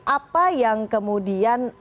apa yang kemudian